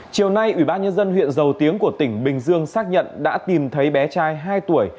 chiều nay ủy ban nhân dân huyện dầu tiếng của tỉnh bình dương xác nhận đã tìm thấy bé trai hai tuổi